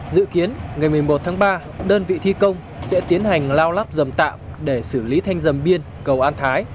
dự kiến ngày một mươi một tháng ba đơn vị thi công sẽ tiến hành lau lắp dầm tạm để xử lý thanh dầm biên cầu an thái